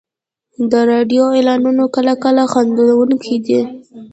د راډیو اعلانونه کله کله خندونکي وي.